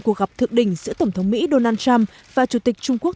cuộc gặp thượng đỉnh giữa tổng thống mỹ donald trump và chủ tịch trung quốc